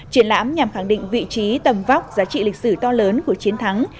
triển lãm nhằm khẳng định vị trí tầm vóc giá trị lịch sử to lớn của chiến thắng